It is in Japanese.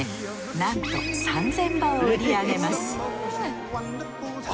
なんと３，０００羽を売り上げます